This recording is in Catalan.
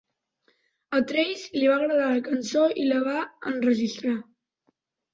A Trace li va agradar la cançó i la va enregistrar.